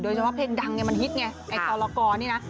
โดยเฉพาะเพลงดังมันฮิตไงไอ้ตลากรนี่นะ